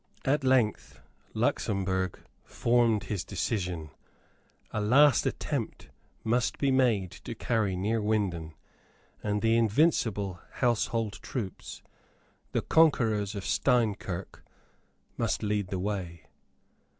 At length Luxemburg formed his decision. A last attempt must be made to carry Neerwinden; and the invincible household troops, the conquerors of Steinkirk, must lead the way.